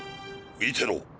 見てろ。